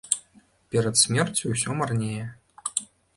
Перад смерцю ўсё марнее.